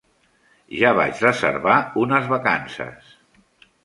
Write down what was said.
Ja vaig reservar unes vacances.